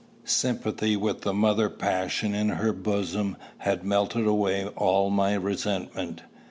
Sympathy with the mother passion in her bosom had melted away all my resentment.